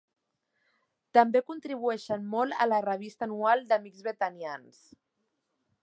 També contribueixen molt a la revista anual d'antics Bethanians.